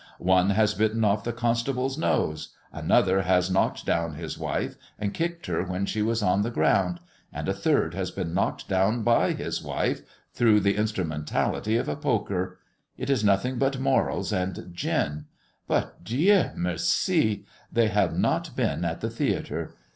One has bitten off the constable's nose; another has knocked down his wife, and kicked her when she was on the ground; and a third has been knocked down by his wife through the instrumentality of a poker. It is nothing but morals and gin; but, Dieu merci, they have not been at the theatre.